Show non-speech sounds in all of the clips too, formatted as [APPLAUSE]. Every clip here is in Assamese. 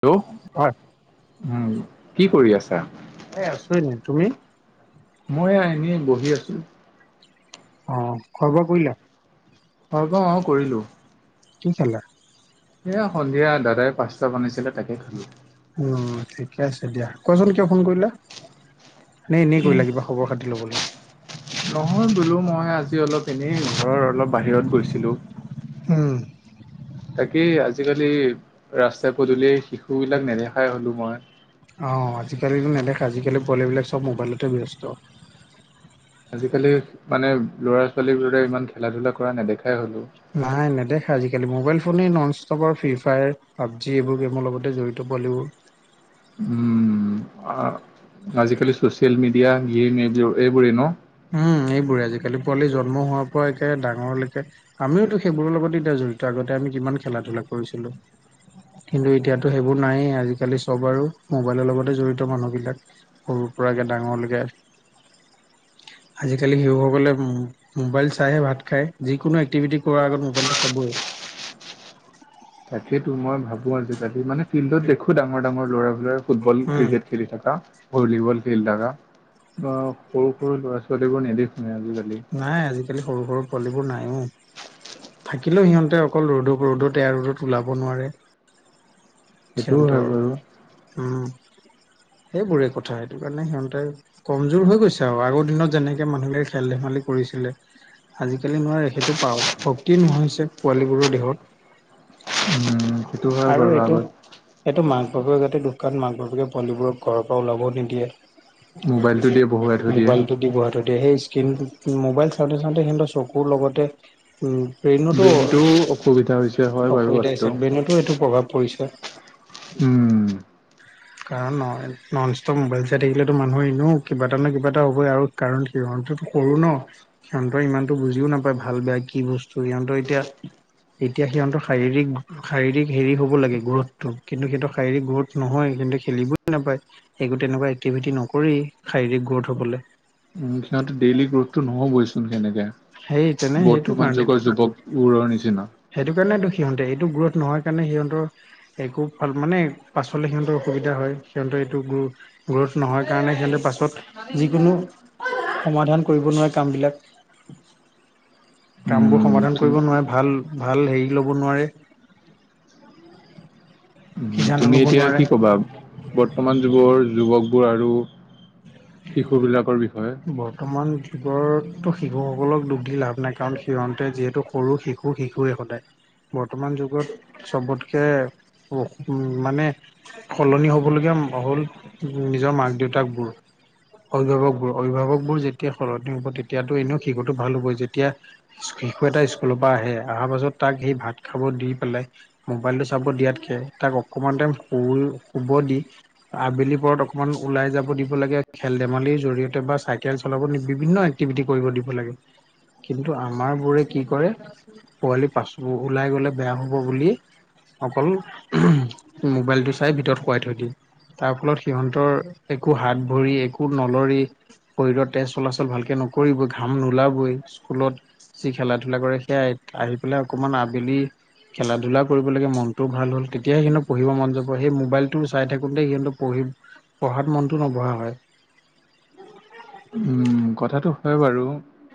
হেল্ল' হয় উম, কি কৰি আছা? এ আছো এনেই। তুমি? মই এয়া এনেই বহি আছো। অঁ খোৱা বোৱা কৰিলা? খোৱা বোৱা অঁ কৰিলো। কি খালা? এয়া সন্ধিয়া দাদাই পাস্তা বনাইছিলে তাকে খালো। উম ঠিকে আছে দিয়া। কোৱাচোন কিয় ফোন কৰিলা? নে এনেই কৰিলা কিবা খবৰ খাতি ল'বলৈ? নহয় বোলো মই আজি অলপ এনেই ঘৰৰ অলপ বাহিৰত গৈছিলো। উম। তাকেই আজিকালি ৰাস্তা পদূলিয়ে শিশু বিলাক নেদেখাই হ'লো মই। অঁ, আজিকালিতো নেদেখা আজিকালি পোৱালি বিলাক চব মোবাইলতে ব্যস্ত। আজিকালি মানে ল'ৰা ছোৱালীবোৰে ইমান খেলা ধূলা কৰা নেদেখাই হ'লো। নাই নেদেখা আজিকালি মোবাইল ফোনে নন ষ্টপৰ ফ্ৰী ফায়াৰ, পাবজি এইবোৰ গেমৰ লগতে জড়ি ত পোৱালিবোৰ। উম, আজিকালি ছ'চিয়েল মিডিয়া, গেম এইবোৰেই ন? উম এইবোৰে আজিকালি পোৱালি জন্ম হোৱাৰ পৰা একে ডাঙৰলৈকে আমিওতো সেইবোৰৰ লগত এতিয়া জড়ি ত আগতে আমি কিমান খেলা ধূলা কৰিছিলো। কিন্তু এতিয়াতো সেইবোৰ নায়েই আজিকালি চব আৰু মোবাইলৰ লগতে জড়িত মানুহবিলাক। সৰুৰ পৰা একে ডাঙৰলৈকে। আজিকালি শিশুসকলে উম মোবাইল চাইয়ে ভাত এক্টিভিটি কৰাৰ আগত খাই মোবাইলটো চাবই। [UNINTELLIGIBLE] তাকেইেতো মই ভাবো আজিকালি মানে ফিল্ডত দেখো ডাঙৰ ডাঙৰ ল'ৰাবৰে ফুটবল উম, ক্ৰিকেট খেলি থকা। ভলীবল খেল থাকা বা সৰু - সৰু ল'ৰা - ছোৱালীবোৰ নেদেখোৱে আজিকালি। নাই আজিকালি সৰু সৰু পোৱালিবোৰ নাই অ, থাকিলেও সিহঁতে অকল ৰ'দত ৰ'দত তে ৰ'দত ওলাব নোৱাৰে, সেইটোও হয় থিয়ন্তৰ বাৰু উম, সেইবোৰে কথা সেইটো কাৰণে সিহতেৰ কমজোৰ হৈ গৈছে আৰু আগৰ দিনত যেনেকে মানুহবিলাকে খেল - ধেমালি কৰিছিলে। আজিকালি নোৱাৰে সেইটো পাৰ শক্তি নহয়ছে পোৱালীবোৰৰ দেহত। উম সেইটো হয় আৰু বাৰু এইটো আগত সেইটো মাক বাপেকৰ গাতে দোষ কান, মাক বাপেকে পোৱালিবোৰক ঘৰৰ পৰা ওলাব নিদিয়ে। মোবাইলটো দিয়ে বহুৱাই থৈ দিয়ে মোবাইলটো দিব আৰু। তে সেই স্ক্ৰীনটো, মোবাইল চাওঁতে চাওঁতে সিহঁতৰ চকুৰ লগতে উম ব্ৰেইনতো, ব্ৰেইনটো অসুবিধা হৈছে হয় বাৰু অসুবিধা কথাটো হৈছে ব্ৰেইনতো এইটো প্ৰভাৱ কৰিছে। উম কাৰণ ন নন ষ্টপ মোবাইল চাই থাকিলেতো মানুহৰ এনেও কিবা এটা ন কিবা এটা হ'বই আৰু কাৰণ সিহঁতত সৰু ন, সিহঁতৰ ইমানটো বুজিও নাপায় ভাল বেয়া কি বস তো সিহঁতৰ এতিয়া এতিয়া সিহঁতৰ শাৰীৰিক শাৰীৰিক হেৰি হ'ব লাগে গ্ৰথটো কিন্তু সেইটো শাৰীৰিক গ্ৰথ নহয় কিন্তু খেলিবই নাপায়। সেইবোৰ তেনেকুৱা এক্টিভিটি নকৰি শাৰীৰিক গ্ৰথ হ'বলৈ। উম সিহঁতে ডেইলি গ্ৰথটো নহ'বইচোন সেনেকে। সেই তেনে সেইটো বৰ্তমান কাৰণেতো যুগৰ যুৱকবোৰৰ নিচিনা। সেইটো কাৰণেতো সিহঁতে এইটো গ্ৰোথ নহয় কাৰণে সিহঁতৰ একো খন মানে পাছলৈ সিহঁতৰ অসুবিধা হয়, সিহঁতৰ এইটো গ্ৰ গ্ৰ'থ নহয় কাৰণে সিহঁতে পাছত যিকোনো সমাধান কৰিব নোৱাৰা কামবিলাক উম কামবোৰ সমাধান কৰিব নোৱাৰে, উম ভাল ভাল হেৰি ল'ব নোৱাৰে। উম, সিদ্ধান্ত তুমি ল'ব এতিয়া নোৱাৰে কি কবা বৰ্তমান যুগৰ যুৱকবোৰ আৰু শিশুবিলাকৰ বিষয়ে বৰ্তমান যুগৰতো শিশুসকলক দুখী লাভ নাই কাৰণ সিহঁতে যিহেতু সৰু শিশু শিশুৱে সদায় বৰ্তমান যুগত চবতকে অ মানে সলনি হ'বলগীয়া হ'ল নিজৰ মাক - দেউতাকবোৰ। অভিভাৱকবোৰ, অভিভাৱকবোৰ যেতিয়া সলনি হ'ব তেতিয়াতো এনেও শিশুটো ভাল হ'বই যেতিয়া স্কু শিশু এটা স্কুলৰ পৰা আহে, আহাৰ পাছত তাক সেই ভাত খাব দি পেলাই মোবাইলটো চাব দিয়াতকে তাক অকণমান টাইম শুল শুব দি আবেলি পৰত অকণমান ওলাই যাব দিব লাগে খেল - ধেমালিৰ জৰিয়তে বা চাইকেল চলাব বিভিন্ন এক্টিভিটি কৰিব দিব লাগে। কিন্তু আমাৰবোৰে কি কৰে? পোৱালি পাছবোৰ ওলাই গ'লে বেয়া হ'ব বুলি অকল উহু, মোবাইলটো চাই ভিতৰত শোৱাই থৈ দিয়ে তাৰ ফলত সিহঁতৰ একো হাত ভৰি একো নলৰি শৰীৰৰ তেজ চলাচল ভালকে নকৰিব, ঘাম নোলাবই, স্কুলত যি খেলা - ধূলা কৰে সেইয়া আহি পেলাই অকমান আবেলি খেলা - ধূলা কৰিব লাগে মনটো ভাল হ'ল তেতিয়া সিহঁত পঢ়িব মন যাব সেই মোবাইলটো চাই থাকোঁতে সিহঁতক পঢ়ি পঢ়াত মনটো নবঢ়া হয়। উম কথাটো হয় বাৰু।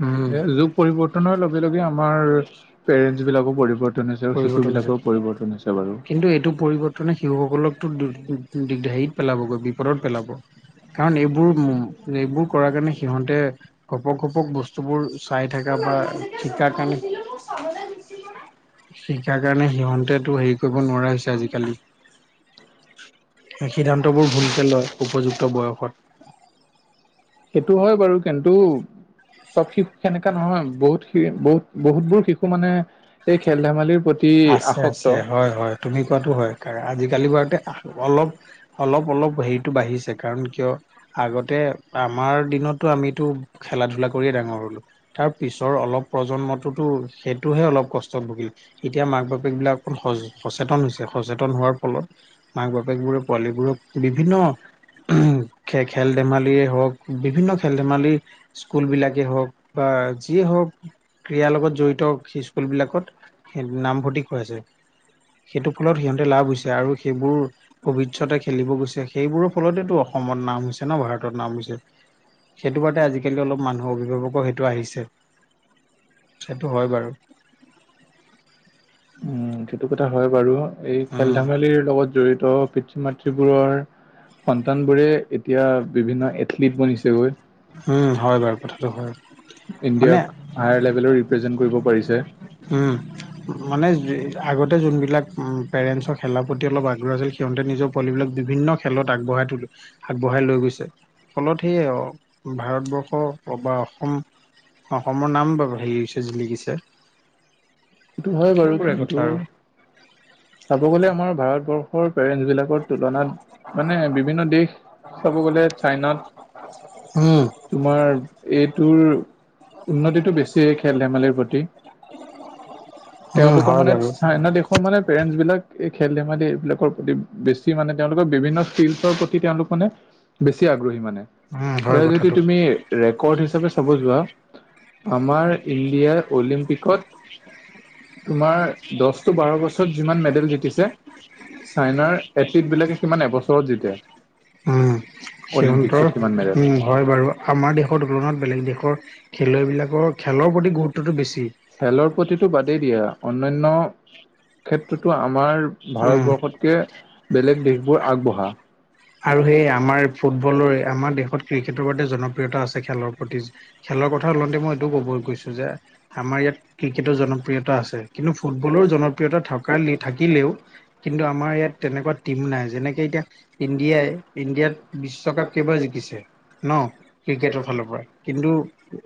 উম এ যুগ পৰিবৰ্তনৰ লগে লগে আমাৰ পেৰেন্টছবিলাকো পৰিৱৰ্তন হৈছে আৰু পৰিৱৰ্তন হৈছে। শিশুবিলাকৰ পৰিৱৰ্তন হৈছে বাৰু। কাৰণে শিশুসকলকতো দিগ দিগদাৰিত পেলাবগৈ বিপদত পেলাব। কাৰণ এইবোৰ উ এইবোৰ কৰাৰ কাৰণে সিহঁতে ঘপক ঘপক বস্তুবোৰ চাই থকা বা শিকাৰ কাৰণে [UNINTELLIGIBLE] শিকাৰ কাৰণে সিহঁতেতো হেৰি কৰিব নোৱাৰা হৈছে আজিকালি। সিদ্ধান্তবোৰ ভুলকে লয় উপযুক্ত বয়সত। সেইটো হয় বাৰু কিন্তু। চব শিশু সেনেকা নহয় বহুত শি বহুত বহুতবোৰ শিশু মানে এই খেল ধেমালিৰ প্ৰতি আছে আছে আসক্ত। হয় হয় তুমি কোৱাটো হয় কাৰ আজিকালি বাৰুতে অলপ অলপ অলপ হেৰিটো বাঢ়িছে, কাৰণ কিয় আগতে আমাৰ দিনতো আমিতো খেলা ধূলা কৰিয়ে ডাঙৰ হ'লোঁ, তাৰ পিছৰ অলপ প্ৰজন্মটোতো সেইটোহে অলপ কষ্টত ভুগিল এতিয়া মাক বাপেকবিলাক অকণ সচেতন হৈছে। সচেতন হোৱাৰ ফলত, মাক বাপেকবোৰে পোৱালীবোৰক বিভিন্ন খে খেল ধেমালিয়ে হওক, বিভিন্ন খেল ধেমালি স্কুলবিলাকেই হওক বা যিয়ে হওক ক্ৰীড়াৰ লগত জড়িত সেই স্কুলবিলাকত। নামভৰ্তি কৰাইছে, সেইটো ফলত সিহঁতে লাভ হৈছে আৰু সেইবোৰ ভৱিষ্যতে খেলিব গৈছে, সেইবোৰৰ ফলতেটো অসমত নাম হৈছে। ভাৰতত নাম হৈছে, সেইটো বাদে আজিকালি অলপ মানুহ অভিভাৱকো সেইটো আহিছে, সেইটো হয় বাৰু। উম। সেইটো কথা হয় বাৰু, এই খেল উম ধেমালিৰ লগত জড়িত পিতৃ মাতৃবোৰৰ সন্তানবোৰে এতিয়া বিভিন্ন এথলিট বনিছে গৈ। উম হয় বাৰু কথাটো হয়, মানে ইণ্ডিয়াক হায়াৰ লেভেলৰ ৰিপ্ৰেজেন্ট কৰিব পাৰিছে মানে আগতে যোনবিলাক পেৰেণ্টছৰ খেলাৰ প্ৰতি অলপ আগ্ৰহ আছিল। সিহঁতে নিজৰ পোৱালিবিলাক বিভিন্ন খেলত আগবঢ়াই ত আগবঢ়াই লৈ গৈছে। ফলত সে অ ভাৰতবৰ্ষ অ বা অসম অসমৰ নাম বাৰু হেৰি হৈছে জিলিকিছে। সেইটো হয় বাৰু সেইবোৰে কথা কিন্তু। আৰু। চাব গলে আমাৰ ভাৰতবৰ্ষৰ পেৰেন্স বিলাকৰ তুলনাত, মানে বিভিন্ন দেশ চাব গ'লে উম, চাইনাত তোমাৰ এইটোৰ উন্নতিটো বেছি খেল ধেমালিৰ প্ৰতি। [UNINTELLIGIBLE] উম, তেওঁলোকৰ হয় মানে বাৰু। চাইনা দেশৰ মানে পেৰেন্টছ বিলাক, এই খেল ধেমালি এইবিলাকৰ প্ৰতি বেছি মানে তেওঁলোকৰ বিভিন্ন স্কিলছৰ প্ৰতি তেওঁলোক মানে, বেছি আগ্ৰহী মানে। উম, হয় এ যদি কথাটো তুমি। ৰেকৰ্ড হিচাপে চাব যোৱা আমাৰ ইণ্ডিয়াৰ অলিম্পিকত। তোমাৰ দহ টো বাৰ বছৰত যিমান মেডেল জিতিছে। চাইনাৰ এথলিটবিলাকে কিমান এবছৰত জিতে [UNINTELLIGIBLE] উম সিহঁতৰ অলিম্পিকছত কিমান মেডেল। উম। হয় বাৰু আমাৰ দেশৰ তুলনাত বেলেগ দেশৰ খেলুৱৈবিলাকৰ খেলৰ প্ৰতি গুৰুত্বটো বেছি। খেলৰ প্ৰতিটো বাদেই দিয়া অন্যান্য [UNINTELLIGIBLE] ক্ষেত্ৰতো আমাৰ উম, ভাৰতবৰ্ষতকে বেলেগ দেশবোৰ আগবঢ়া। আৰু সেই আমাৰ ফুটবলৰ আমাৰ দেশত ক্ৰিকেটৰ বাবে জনপ্ৰিয়তা আছে খেলৰ প্ৰতি। খেলৰ কথা ওলাওঁতে মই এইটোও ক'ব গৈছো যে, আমাৰ ইয়াত ক্ৰিকেটৰ জনপ্ৰিয়তা আছে, কিন্তু ফুটবলৰ জনপ্ৰিয়তা থকা থাকিলেও কিন্তু আমাৰ ইয়াত তেনেকুৱা টিম নাই যেনেকে এতিয়া ইণ্ডিয়াই ইণ্ডিয়াত বিশ্বকাপ কেইবাৰ জিকিছে ন ক্ৰিকেট ৰ ফালৰ পৰা কিন্তু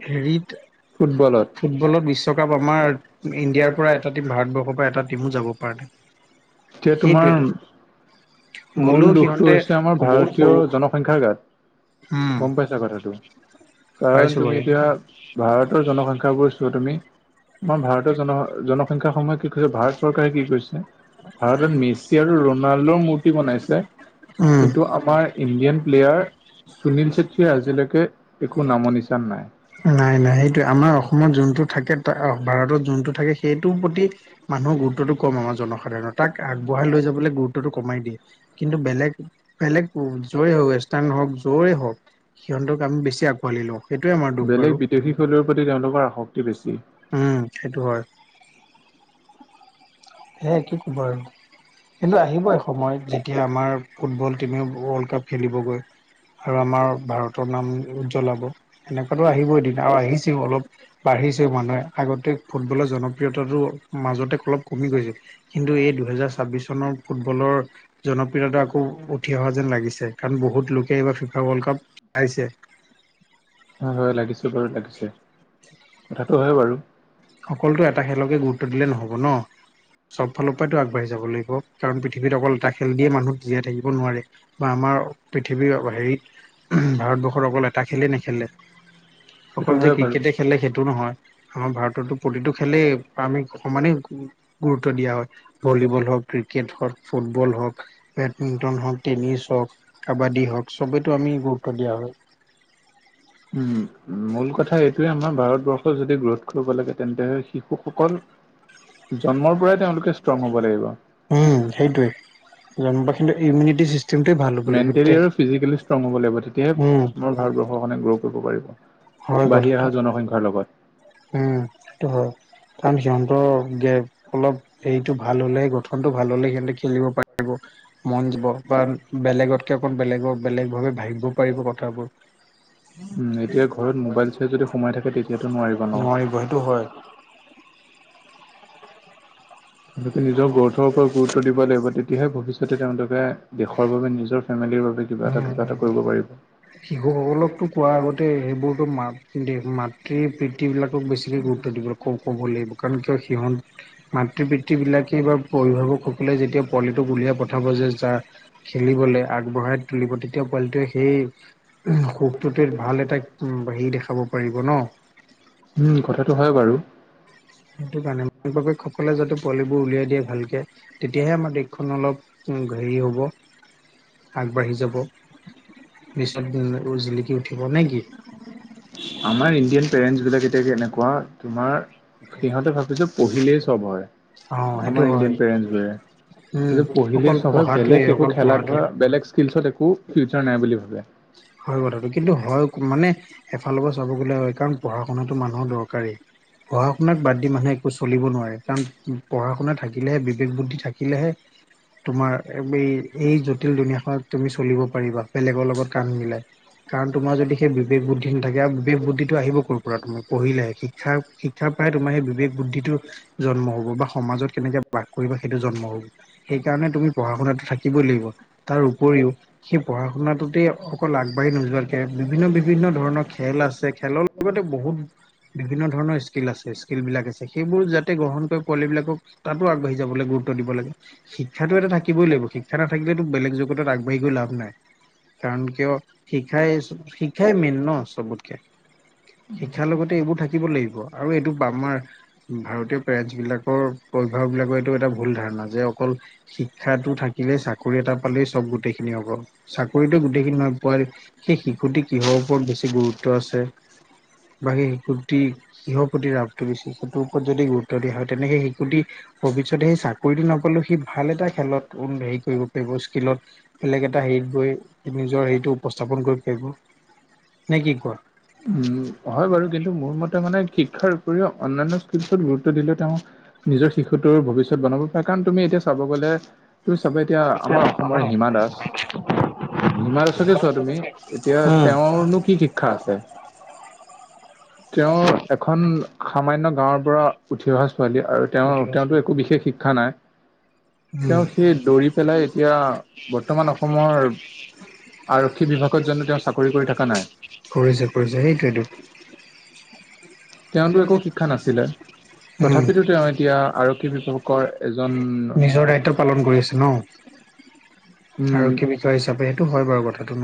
হেৰিত ফুটবলত ফুটবলত বিশ্বকাপ আমাৰ ইণ্ডিয়াৰ পৰা এটা ভাৰতবৰ্ষৰ পৰা এটা টিমো যাব পৰা নাই। এতিয়া তোমাৰ সেইটোৱেতো মূল গ'লেও দুখটো সিহঁতে হৈছে আমাৰ বহুত ভাৰতীয় সৰু জনসংখ্যাৰ গাত। উম গম পাইছা কথাটো কাৰণ তুমি এতিয়া ভাৰতৰ জনসংখ্যাবোৰ চোৱা তুমি আমাৰ ভাৰতৰ জন জনসংখ্যা সমূহে কি কৈছে ভাৰত চৰকাৰে কি কৰিছে। ভাৰতত মেচি আৰু ৰনাল্ডৰ মূৰ্তি বনাইছে। উম, কিন্তু আমাৰ ইণ্ডিয়ান প্লেয়াৰ চুনীল চেত্ৰীয়ে আজিলৈকে অ একো হয় নামৰ নিচান নাই। নাই নাই সেইটো আমাৰ অসমত যোনটো থাকে, ভাৰতত যোনটো থাকে। সেইটোৰ প্ৰতি মানুহৰ গুৰুত্বটো কম আমাৰ জনসাধাৰণৰ তাক আগবঢ়াই লৈ যাবলৈ গুৰুত্ব টো কমাই দিয়ে কিন্তু বেলেগ বেলেগ যৰে হওক ৱেষ্টাৰ্ণ হওক যৰে হওক সিহঁতক আমি বেছি আঁকোৱালি লওঁ। সেইটোৱে আমাৰ দুখ বেলেগ বাৰু বিদেশী খেলৰ প্ৰতি তেওঁলোকৰ আসক্তি বেছি। উম সেইটো হয়। সেয়াই কি কবা আৰু কিন্তু আহিব একসময়ত। এতিয়া আমাৰ ফুটবল টীমেও ৱৰ্ল্ড কাপ খেলিবগৈ। আৰু আমাৰ ভাৰতৰ নাম উজ্জ্বলাব। এনেকুৱাতো আহিবই এদিন আৰু আহিছেও অলপ বাঢ়িছে মানুহ। আগতে ফুটবলৰ জনপ্ৰিয়তাটো মাজতে অলপ কমি গৈছিল। কিন্তু এই দুহেজাৰ ছাব্বিশ চনৰ ফুটবলৰ জনপ্ৰিয়তা আকৌ উঠি অহা যেন লাগিছে কাৰণ বহুত লোকে এইবাৰ ফিফা ৱৰ্ল্ড কাপ চাইছে। হয় হয় লাগিছে বাৰু লাগিছে। কথাটো হয় বাৰু সকলতো এটা খেলকে গু ৰুত্ব দিলে নহ'ব ন, চব ফালৰ পৰাইতো আগবাঢ়ি যাব লাগিব। কাৰণ পৃথিৱীত অকল এটা খেল দিয়ে মানুহক জীয়াই থাকিব নোৱাৰে বা আমাৰ পৃথিৱীৰ হেৰিত ভাৰতবৰ্ষত অকল এটা খেলেই নেখেলে। সেইটো অকল যে হয় বাৰু ক্ৰিকেটে খেলে সেইটো নহয় আমাৰ ভাৰততো প্ৰতিটো খেলেই আমি সমানেই গুৰুত্ব দিয়া হয় ভলীবল হওঁক, ক্ৰি কেট হওঁক, ফুটবল হওঁক, বেডমিণ্টন হওঁক, টেনিছ হওঁক, কাবাডী হওঁক। চবেইেতো আমি গুৰুত্ব দিয়া হয়। উম মূল কথা এইটোয়ে আমাৰ ভাৰতবৰ্ষ যদি গ্ৰোথ কৰিব লাগে তেন্তে শিশুসকল জন্মৰ পৰাই তেওঁলোকে ষ্ট্ৰং হব লাগিব। উম সেইটোৱে জন্মৰ পৰাই কিন্তু ইমিউনিটিষ্টম মেণ্টেলি আৰু ফিজিকেলি ষ্ট্ৰং হব লাগিব তেতিয়াহে উম, আমাৰ ভাৰতবৰ্ষৰ কাৰনে গ্ৰ' কৰিব পাৰিব। হয় বাঢ়ি কথাটো, অহা জনসংখ্যাৰ লগত উম সেইটো হয়। কাৰণ সিহঁতৰ গে অলপ হেৰিটো ভাল হ'লে গঠনটো ভাল হ'লে সিহঁতে খেলিব পাৰিব, মন দিব। বা বেলেগতকে অকণ বেলেগৰ বেলেগ ভাৱে ভাবিব পাৰিব কথাবোৰ। উম এতিয়া ঘৰত মোবাইল চাই যদি সোমাই থাকে তেতিয়াতো নোৱাৰিব ন। নোৱাৰি ব সেইটো হয়। তেওঁলোকে নিজৰ গ্ৰথৰ ওপৰত গুৰুত্ব দিব লাগিব। তেতিয়াহে ভৱিষ্যতে তেওঁলোকে দেশৰ বাবে নিজৰ ফেমিলিৰ বাবে কিবা এটা উমঁ' কিবা এটা উমঁ'। কৰিব পাৰিব। শিশুসকলকতো কোৱাৰ আগতে সেইবোৰতো মাতৃ-মাতৃ পিতৃ বিলাকক বেছিকে গুৰুত্ব দিব ক-ক'ব লাগিব কাৰণ কিয় সিহঁত মাতৃ পিতৃবিলাকে বা অভিভাৱকসকলে যেতিয়া পোৱলিটো উলিয়াই পঠাব যে যা খেলিবলৈ আগবঢ়াই তুলিব, তেতিয়া পোৱালিটোৱে সেই সুখটোত ভাল এটা হেৰি দেখাব পাৰিব ন। উমঁ' কথাটো হয় বাৰু। সেইটো কাৰণে মাক বাপেক সকলে যাতে পোৱালিবোৰ উলিয়াই দিয়ে ভালকে। তেতিয়াহে আমাৰ দেশখন অলপ হেৰি হ'ব আগবাঢ়ি যাব। [UNINTELLIGIBLE] জিলিকি উঠিব নে কি। আমাৰ ইণ্ডিয়ান পেৰেন্টছ বিলাক এতিয়া যে এনেকুৱা তোমাৰ সিহঁতে ভাবে যে পঢ়িলেই চ'ব হয়। অ সেইটো আমাৰ হয় ইণ্ডিয়ান পেৰেন্টছবোৰে। উম যদি অকল পঢ়িলেই চ'ব হয় পঢ়াটোৱে বেলেগ একো অকল পঢ়াটোৱে খেলা-ধূলা বেলেগ স্কিলছত একো ফিউচাৰ নাই বুলি ভাবে। হয় কথাটো কিন্তু হয় মানে এফালৰ পৰা চাব গ'লে হয়, কাৰণ পঢ়া শুনাটো মানুহৰ দৰকাৰী। পঢ়া শুনাক বাদ দি মানুহে একো চলিব নোৱাৰে কাৰণ পঢ়া শুনা থাকিলেহে বিবেক বুদ্ধি থাকিলেহে তোমাৰ এই এই জটিল দুনীয়াখনত তুমি চলিব পাৰিবা। বেলেগৰ লগত কাণ মিলাই কাৰণ তোমাৰ যদি সেই বিবেক বুদ্ধিটো নাথাকে আৰু বিবেক বুদ্ধিটো আহিব ক পৰা, তুমি পঢ়িলে শিক্ষাৰ শিক্ষাৰ পৰাই তোমাৰ সেই বিবেক বুদ্ধিটো জন্ম হ'ব বা সমাজত কেনেকে বাস কৰিব সেইটো জন্ম হ'ব। সেইকাৰণে তুমি পঢ়া শুনাটো থাকিবই লাগিব। তাৰ উপৰিও সি পঢ়া শুনাটোতে অকল আগবাঢ়ি নোযোৱাকৈ বিভিন্ন বিভিন্ন ধৰণৰ খেল আছে খেলৰ লগতে বহুত বিভিন্ন ধৰণৰ স্কিল আছে। খেল বিলাক আছে, সেইবোৰ যাতে গ্ৰহণ কৰি পোৱালি বিলাকক তাতো আগবাঢ়ি যাবলৈ গুৰুত্ব দিব লাগে। শিক্ষাতো এটা থাকিবই লাগিব শিক্ষা নাথাকিলেতো বেলেগ জগতত আগবাঢ়ি গৈ লাভ নাই। কাৰণ কিয় শিক্ষাই শিক্ষাই মেইন ন চবতকে। শিক্ষাৰ লগতে এইবোৰ থাকিব লাগিব আৰু এইটো আমাৰ ভাৰতীয় পেৰেছবিলাকৰ অভিভাৱক বিলাকৰ এইটো এটা ভুল ধাৰণা যে অকল শিক্ষাটো থাকিলে চাকৰি এটা পালে চ'ব গোটেই খিনি হ'ব। চাক কৰিতো গোটেইখিনি নহয়, পোৱালি সেই শিশুটি কিহৰ ওপৰত বেছি গৰুত্ব গুৰুত্ব আছে, বাকী শিশুটি কিহৰ প্ৰতি ৰাপটো বেছি ওপৰত যদি গুৰুত্ব দিয়া হয় তেনেকে সেই শিশুটি ভৱিষ্যতে সেই চাকৰিটো নাপালেও সি ভাল এটা খেলত ধেই কৰিব পাৰিব স্কিলত বেলেগ এটা সেৰিত গৈ নিজৰ হেৰিটো উপস্থাপন কৰিব পাৰিব। নে কি কোৱা? উম হয় বাৰু কিন্তু মোৰ মতে মানে শিক্ষাৰ উপৰিও অন্যান্য স্কিলছত গুৰুত্ব দিলে তেওঁ নিজৰ শিশুটোৰ ভৱিষ্যত বনাব পাৰে কাৰণ তুমি এতিয়া চাব গ'লে তুমি চাবা এতিয়া আমাৰ অসমৰে হিমা দাস হিমা দাসকে চোৱা তুমি এতিয়া উম। তেওঁৰনো কি শিক্ষা আছে। তেওঁ এখন সামান্য গাঁৱৰ পৰা উঠি অহা ছোৱালী আৰু তেওঁ তেওঁতো একো বিশেষ শি শিক্ষা নাই। তেওঁ সেই দৌৰি পেলাই এতিয়া বৰ্তমান অসমৰ উমঁ। আৰক্ষী বিভাগত জানো তেওঁ চাকৰি কৰি থকা নাই? কৰিছে-কৰিছে সেইটোৱেতো। [UNINTELLIGIBLE] [UNINTELLIGIBLE] তেওঁতো একো শিক্ষা নাছিলে উমঁ, তথাপিতো তেওঁ এতিয়া আৰক্ষী বিভাগৰ হয়। এজন নিজৰ দায়িত্ব- পালন কৰি আছে ন' উম আৰক্ষী বিষয়া হিচাপে সেইটো হয় বাৰু কথাটো।